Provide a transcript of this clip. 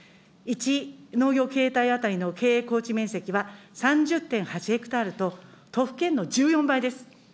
１農業経営体当たりの経営耕地面積は３０．８ヘクタールと、都府県の１４倍です。